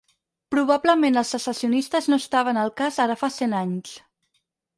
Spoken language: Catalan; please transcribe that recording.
Probablement els secessionistes no estaven al cas ara fa cent anys.